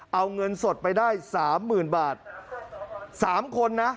เอาเงินสดไปได้สามหมื่นบาทสามคนนะ